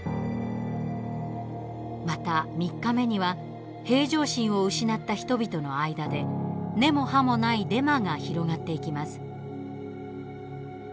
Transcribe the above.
また３日目には平常心を失った人々の間で根も葉もないデマが広がっていきます。